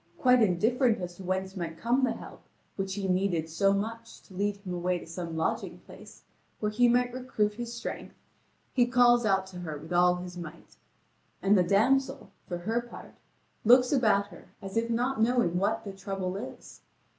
Quite indifferent as to whence might come the help, which he needed so much to lead him away to some lodging place, where he might recruit his strength, he calls out to her with all his might. And the damsel, for her part, looks about her as if not knowing what the trouble is.